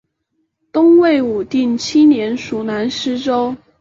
东魏武定七年属南司州。